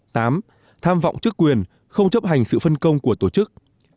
tham vọng chức quyền không chấp hành sự phân công của tổ chức